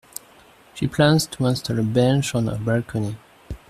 She plans to install a bench on her balcony.